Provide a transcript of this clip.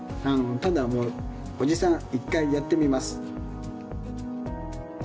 ただ、おじさん、一回やってみます。